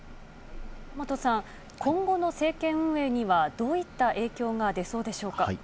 平本さん、今後の政権運営にはどういった影響が出そうでしょうか。